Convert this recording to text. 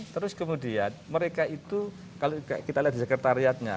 terus kemudian mereka itu kalau kita lihat di sekretariatnya